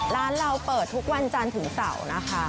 ร้านเราเปิดทุกวันจันทร์ถึงเสาร์นะคะ